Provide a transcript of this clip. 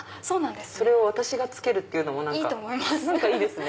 それを私が着けるっていうのも何かいいですね。